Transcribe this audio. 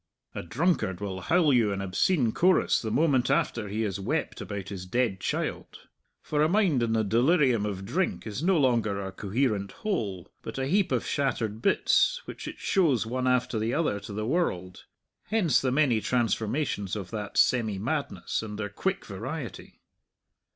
A drunkard will howl you an obscene chorus the moment after he has wept about his dead child. For a mind in the delirium of drink is no longer a coherent whole, but a heap of shattered bits, which it shows one after the other to the world. Hence the many transformations of that semi madness, and their quick variety.